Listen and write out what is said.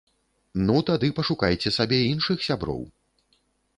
Ну, тады пашукайце сабе іншых сяброў!